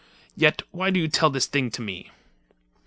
Yet why do you tell this thing to me?"